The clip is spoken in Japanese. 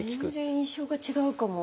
全然印象が違うかも。